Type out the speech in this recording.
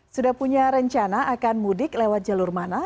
sudah punya rencana akan mudik lewat jalur mana